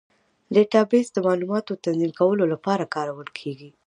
ډیټابیس د معلوماتو تنظیم کولو لپاره کارول کېږي.